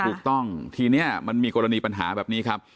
ถูกต้องทีนี้มันมีกรณีปัญหาแบบนี้ครับ